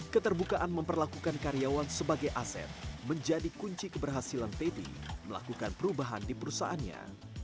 keterbukaan memperlakukan karyawan sebagai aset menjadi kunci keberhasilan teti melakukan perubahan di perusahaannya